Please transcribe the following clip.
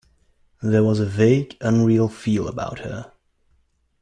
There was a vague, unreal feel about her.